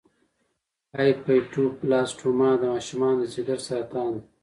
د هیپاټوبلاسټوما د ماشومانو د ځګر سرطان دی.